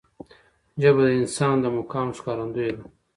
ژبه د انسان د مقام ښکارندوی ده